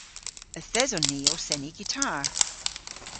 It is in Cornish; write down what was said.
Yth eson ni ow seni gitar.